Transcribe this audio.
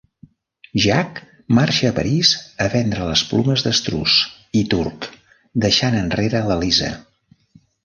Jack marxa a París a vendre les plomes d'estruç i Turk, deixant enrere l"Eliza.